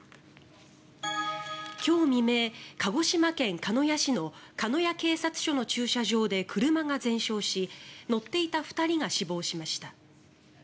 今日未明、鹿児島県鹿屋市の鹿屋警察署の駐車場で車が全焼し乗っていた２人が死亡しました。